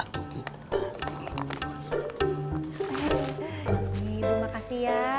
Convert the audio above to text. bu makasih ya